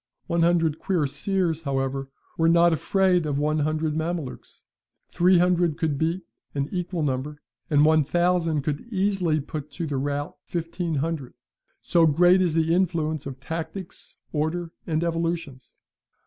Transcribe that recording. One hundred cuirassiers, however were not afraid of one hundred Mamelukes; three hundred could beat; an equal number, and one thousand could easily put to the rout fifteen hundred, so great is the influence of tactics, order, and evolutions!